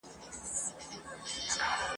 هغه وايي، چي د شپانه ګوتی هم